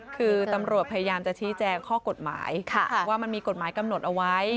คือตำรวจพยายามจะชี้แจงข้อกฎหมายว่ามันมีกฎหมายกำหนดเอาไว้